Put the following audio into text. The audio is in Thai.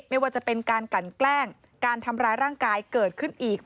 ไม่ว่าจะเป็นการกลั่นแกล้งการทำร้ายร่างกายเกิดขึ้นอีก